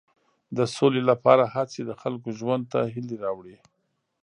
د سولې لپاره هڅې د خلکو ژوند ته هیلې راوړي.